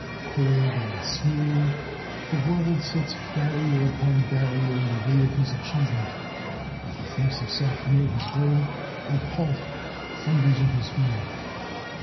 Cold and sneering, the world sets barrier upon barrier in the way of his achievement. If he thinks himself near his goal, a 'Halt!' thunders in his ear.